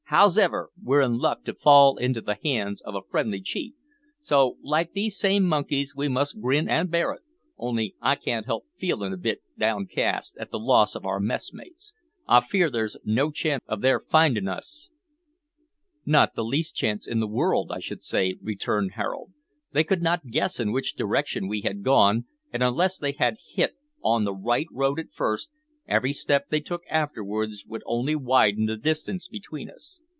Hows'ever, we're in luck to fall into the hands of a friendly chief, so, like these same monkeys, we must grin an' bear it; only I can't help feelin' a bit cast down at the loss of our messmates. I fear there's no chance of their findin' us." "Not the least chance in the world, I should say," returned Harold. "They could not guess in which direction we had gone, and unless they had hit on the right road at first, every step they took afterwards would only widen the distance between us."